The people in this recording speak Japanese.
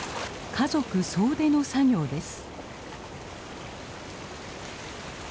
家族総出の作業です。